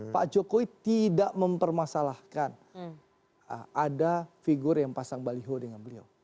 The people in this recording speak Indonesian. pak jokowi tidak mempermasalahkan ada figur yang pasang baliho dengan beliau